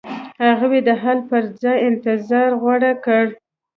هغوی د حل په ځای انتظار غوره کړ.